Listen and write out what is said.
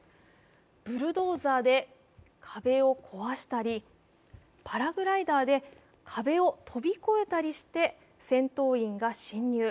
ブルドーザーで壁を壊したり、パラグライダーで壁を飛び越えたりして戦闘員が侵入。